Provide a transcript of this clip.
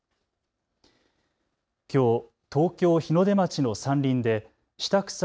きょう東京日の出町の山林で下草